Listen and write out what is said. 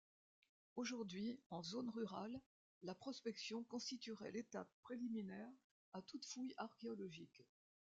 Aujourd'hui, en zone rurale, la prospection constituerait l'étape préliminaire à toute fouille archéologique.